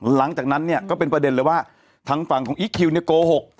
หลังจากนั้นเนี่ยก็เป็นประเด็นเลยว่าทางฝั่งของอีคคิวเนี่ยโกหก